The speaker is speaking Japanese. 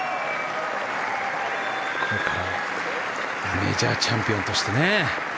メジャーチャンピオンとしてね。